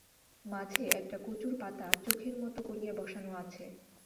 মাঝে একটা কচুর পাতা চোখের মতো করিয়া বসানো আছে।